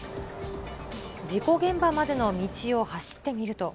事故現場までの道を走ってみると。